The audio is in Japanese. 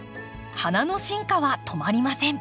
花の進化は止まりません。